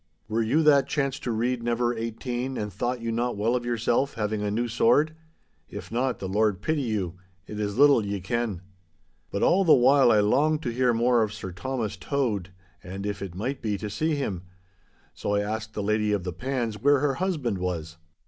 Were you that chance to read never eighteen and thought you not well of yourself, having a new sword? If not, the Lord pity you. It is little ye ken. But all the while I longed to hear more of Sir Thomas Tode, and if it might be, to see him. So I asked of the lady of the pans where her husband was.